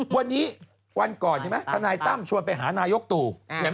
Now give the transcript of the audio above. วันก่อนธนายตั้มชวนไปหานายกตู่